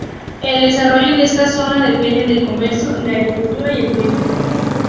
El desarrollo de esta zona depende del comercio, la agricultura y el turismo.